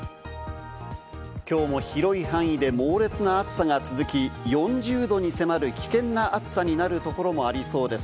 きょうも広い範囲で猛烈な暑さが続き、４０度に迫る危険な暑さになるところもありそうです。